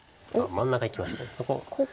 真ん中いきました。